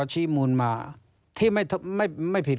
ชี้มูลมาที่ไม่ผิด